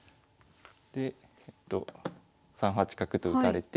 で３八角と打たれて。